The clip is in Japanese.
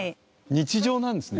日常なんですね。